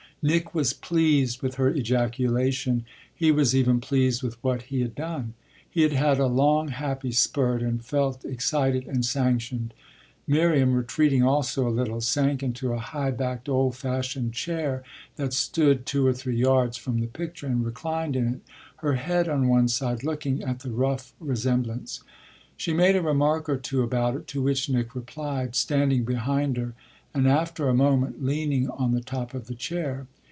Nick was pleased with her ejaculation, he was even pleased with what he had done; he had had a long, happy spurt and felt excited and sanctioned. Miriam, retreating also a little, sank into a high backed, old fashioned chair that stood two or three yards from the picture and reclined in it, her head on one side, looking at the rough resemblance. She made a remark or two about it, to which Nick replied, standing behind her and after a moment leaning on the top of the chair.